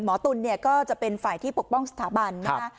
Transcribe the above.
หมอตุ๋นก็จะเป็นฝ่ายที่ปกป้องสถาบันนะฮะ